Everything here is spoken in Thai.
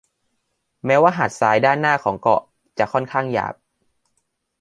แม้ว่าหาดทรายด้านหน้าของเกาะจะค่อนข้างหยาบ